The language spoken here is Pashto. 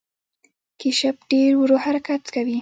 کیشپ ډیر ورو حرکت کوي